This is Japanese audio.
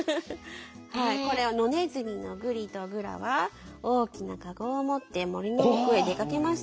はいこれは「のねずみのぐりとぐらは大きなカゴを持って森の奥へ出かけました」。